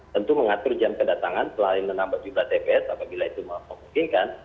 tentu mengatur jam kedatangan selain menambah jumlah tps apabila itu memungkinkan